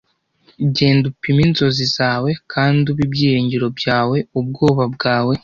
Genda, upime inzozi zawe, kandi ube ibyiringiro byawe, ubwoba bwawe,